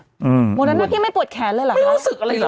หมดหน้าพี่ไม่ปวดแขนเลยหรอคะไม่รู้สึกอะไรหรอ